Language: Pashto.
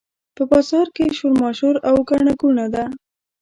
په بازار کې شورماشور او ګڼه ګوڼه ده.